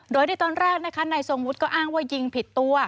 โดยในตอนแรกนะคะนายทรงวุฒิก็อ้างว่ายิงผิดตัว